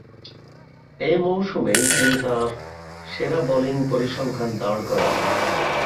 এ মৌসুমেই তিনি তার সেরা বোলিং পরিসংখ্যান দাঁড় করান।